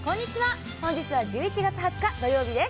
本日は１１月２０日土曜日です。